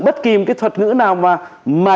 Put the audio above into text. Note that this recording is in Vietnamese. bất kì cái thuật ngữ nào mà